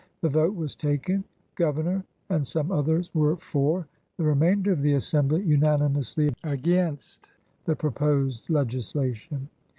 The vote was taken. Grovemor and some others were for, the remainder of the Assembly unanimously against, the proposed legis lation.